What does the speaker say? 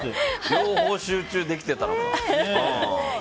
両方集中できてたのかも。